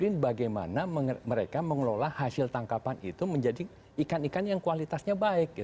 kemudian bagaimana mereka mengelola hasil tangkapan itu menjadi ikan ikan yang kualitasnya baik